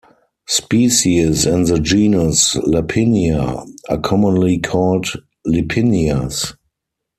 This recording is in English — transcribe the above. Species in the genus "Lipinia" are commonly called lipinias.